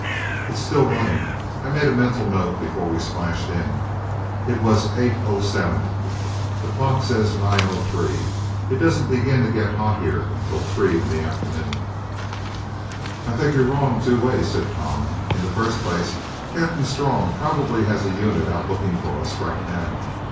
"It's still running. I made a mental note before we splashed in, it was eight O seven. That clock says nine O three. It doesn't begin to get hot here until three o'clock in the afternoon." "I think you're wrong two ways," said Tom. "In the first place, Captain Strong probably has a unit out looking for us right now.